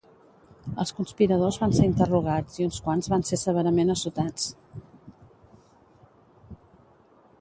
Els conspiradors van ser interrogats i uns quants van ser severament assotats.